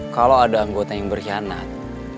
kalau ada anggota yang berkhianat